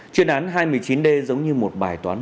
chuyên án hai mươi chín d giống như một bài toán